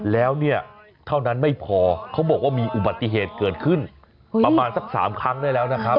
แล้วเนี่ยเท่านั้นไม่พอเขาบอกว่ามีอุบัติเหตุเกิดขึ้นประมาณสัก๓ครั้งได้แล้วนะครับ